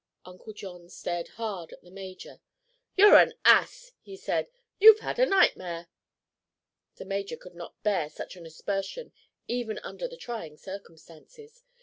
Uncle John stared hard at the major. "You're an ass," he said. "You've had a nightmare." The major could not bear such an aspersion, even under the trying circumstances.